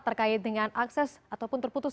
terkait dengan akses ataupun terputus